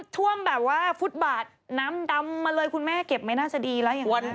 ท่วมแบบว่าฟุตบาทน้ำดำมาเลยคุณแม่เก็บไม่น่าจะดีแล้วอย่างนี้